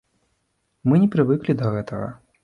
Мы не прывыклі да гэтага.